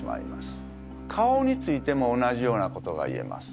顔についても同じようなことが言えます。